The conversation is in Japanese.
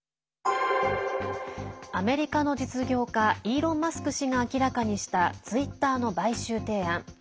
アメリカの実業家イーロン・マスク氏が明らかにしたツイッターの買収提案。